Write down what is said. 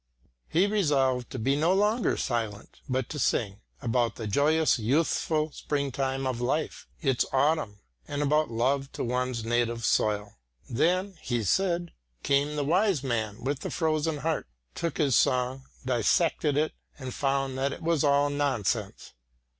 He resolved to be no longer silent but to sing, about the joyous youthful spring time of life, its autumn, and about love to one's native soil. Then (he said) came the wise man with the frozen heart, took his song, dissected it and found that it was all nonsense.